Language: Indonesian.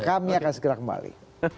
kami akan segera kembali